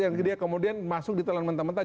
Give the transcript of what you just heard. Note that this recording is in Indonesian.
yang kemudian masuk ditelan mentah mentah